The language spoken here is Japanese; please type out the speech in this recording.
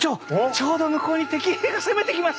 ちょうど向こうに敵兵が攻めてきました！